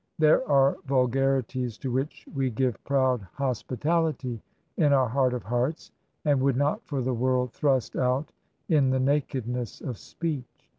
There are vulgarities to which we give proud hospitality in our heart of hearts, and would not for the world thrust out in the nakedness of speech.